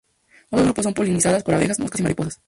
Otros grupos son polinizadas por abejas, moscas y mariposas.